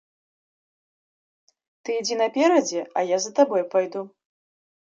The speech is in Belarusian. Ты ідзі наперадзе, а я за табой пайду.